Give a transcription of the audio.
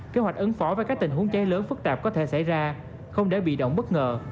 kế hoạch ứng phó với các tình huống cháy lớn phức tạp có thể xảy ra không để bị động bất ngờ